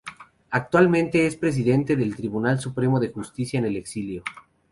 Actualmente es presidente del Tribunal Supremo de Justicia en el exilio.